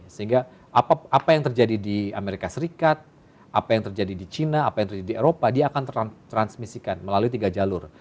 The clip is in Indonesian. sehingga apa yang terjadi di amerika serikat apa yang terjadi di china apa yang terjadi di eropa dia akan transmisikan melalui tiga jalur